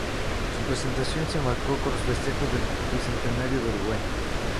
Su presentación se enmarcó en los festejos del bicentenario de Uruguay.